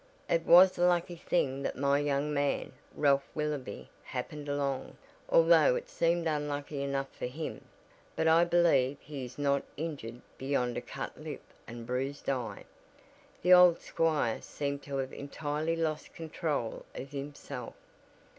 "It was a lucky thing that my young man, Ralph Willoby, happened along, although it seemed unlucky enough for him. But I believe he is not injured beyond a cut lip and bruised eye. The old squire seemed to have entirely lost control of himself.